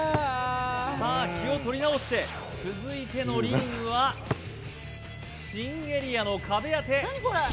さあ気を取り直して続いてのリングは新エリアの壁当て